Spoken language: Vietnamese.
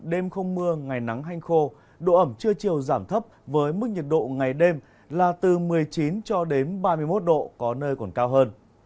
đêm không mưa ngày nắng hanh khô độ ẩm trưa chiều giảm thấp với mức nhiệt độ ngày đêm là từ một mươi chín cho đến ba mươi một độ có nơi còn cao hơn